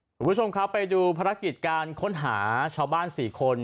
ส่วนคุณผู้ชมครับไปดูการค้นหาชาวบ้านสี่คน